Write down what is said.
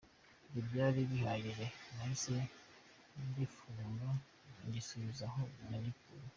Ibyo byari bihagije nahise ngifunga ngisubiza aho nagikuye.